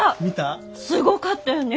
すごかったよね。